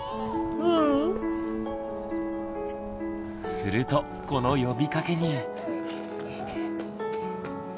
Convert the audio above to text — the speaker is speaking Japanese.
するとこの呼びかけに。